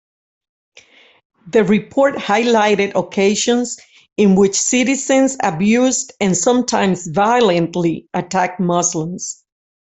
The report highlighted occasions in which citizens abused and sometimes violently attacked Muslims.